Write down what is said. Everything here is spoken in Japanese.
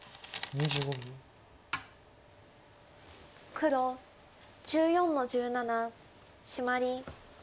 黒１４の十七シマリ。